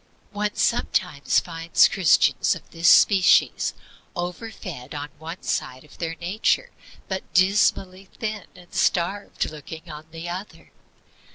One sometimes finds Christians of this species over fed on one side of their nature, but dismally thin and starved looking on the other.